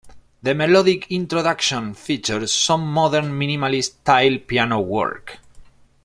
The melodic introduction features some modern minimalist style piano work.